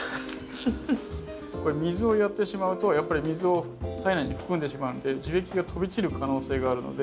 これ水をやってしまうとやっぱり水を体内に含んでしまうので樹液が飛び散る可能性があるので。